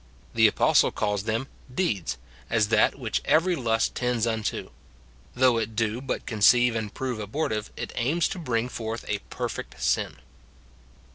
The apostle calls them deeds, as that which every lust tends unto ; though it do but conceive and prove abortive, it aims to bring forth a perfect sin.